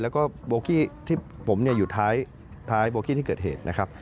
แล้วก็โบกี้ที่ผมอยู่ท้ายโบกี้ที่เกิดเหตุนะครับ